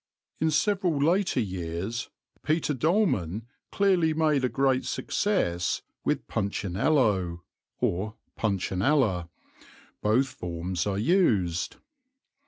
In several later years Peter Dolman clearly made a great success with Punchinello or Puntionella both forms are used.